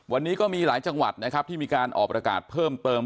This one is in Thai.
วันนี้ก็มีหลายจังหวัดนะครับที่มีการออกประกาศเพิ่มเติม